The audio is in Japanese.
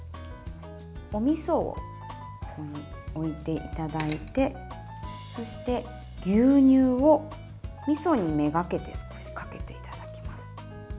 おみそを置いていただいてそして、牛乳をみそに目がけて少しかけていただきます。